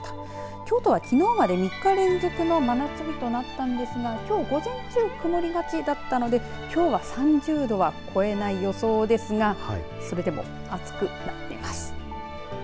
京都はきのうまで、３日連続の真夏日となったんですがきょう午前中曇りがちだったのできょうは３０度は超えない予想ですがそれでも暑くなっています。